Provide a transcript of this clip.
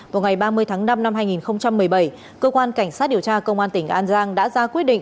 vào ngày ba mươi tháng năm năm hai nghìn một mươi bảy cơ quan cảnh sát điều tra công an tỉnh an giang đã ra quyết định